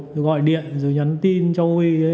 rồi gọi điện rồi nhắn tin cho we